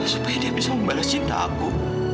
supaya dia bisa membalas cinta aku